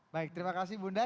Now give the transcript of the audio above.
baik terima kasih bunda